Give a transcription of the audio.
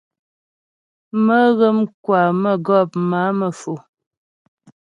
Mə́́ghə̌m kwa mə́gɔ̌p má'a Mefo.